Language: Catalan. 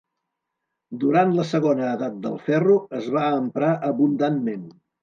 Durant la segona Edat del Ferro es va emprar abundantment.